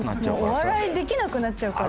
お笑いできなくなっちゃうから。